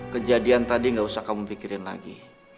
kejadian tadi nggak usah kamu pikirin lagi